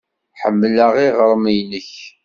Ḥemmleɣ iɣrem-nnek.